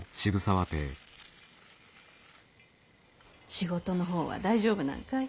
仕事の方は大丈夫なんかい？